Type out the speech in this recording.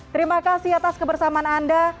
terima kasih atas kebersamaan anda